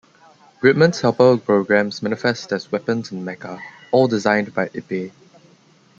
Gridman's Helper Programs manifest as weapons and mecha, all designed by Ippei.